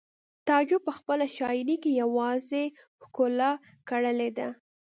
تعجب په خپله شاعرۍ کې یوازې ښکلا کرلې ده